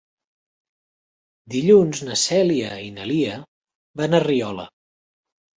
Dilluns na Cèlia i na Lia van a Riola.